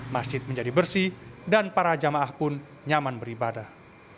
masjid menjadi bersih dan para jamaah pun nyaman beribadah